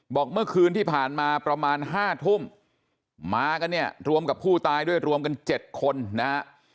บอกเมื่อคืนที่ผ่านมาประมาณ๕ทุ่มมากันเนี่ยรวมกับผู้ตายด้วยรวมกัน๗คนนะฮะ